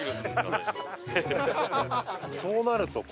そうなると。